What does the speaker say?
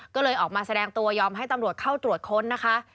ก็เลยออกมาแสดงตัวยอมให้ตำรวจเข้าตรวจค้นนะคะ